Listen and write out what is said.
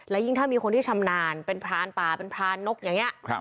และยิ่งถ้ามีคนที่ชำนาญเป็นพรานป่าเป็นพรานนกอย่างนี้